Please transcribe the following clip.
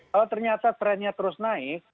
kalau ternyata trennya terus naik